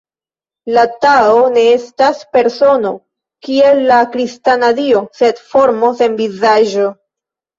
La Tao ne estas persono, kiel la kristana Dio, sed forto sen vizaĝo.